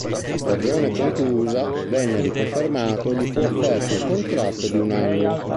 A stagione conclusa, venne riconfermato e gli fu offerto un contratto di un anno.